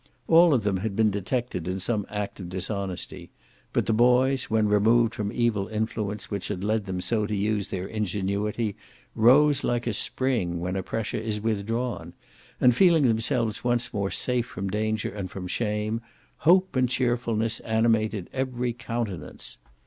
All of them had been detected in some act of dishonesty; but the boys, when removed from the evil influence which had led them so to use their ingenuity, rose like a spring when a pressure is withdrawn; and feeling themselves once more safe from danger and from shame, hope and cheerfulness animated every countenance.